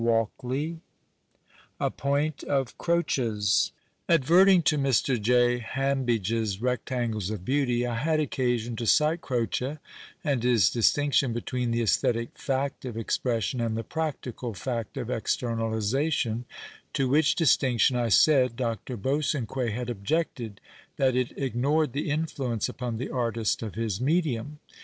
103 o A POINT OF CROCE'S Advkkting to Mr. Jay Hanibidgc's rectangles of beauty I had occasion to cite Croce and his distinc tion between the aesthetic fact of expression and the practical fact of externalization, to which distinction, 1 said, Dr. liosanqnet had objected that it ignored the influence upon the artist of his medium.